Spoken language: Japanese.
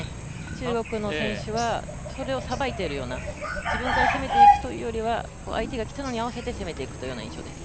中国の選手はそれをさばいてるような、自分から攻めていくような相手が来たのに合わせて攻めていくというような印象です。